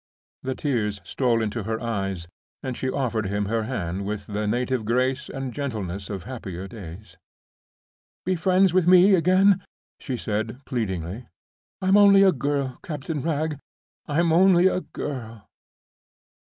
The tears stole into her eyes, and she offered him her hand with the native grace and gentleness of happier days. "Be friends with me again," she said, pleadingly. "I'm only a girl, Captain Wragge—I'm only a girl!"